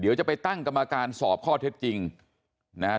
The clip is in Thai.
เดี๋ยวจะไปตั้งกรรมการสอบข้อเท็จจริงนะครับ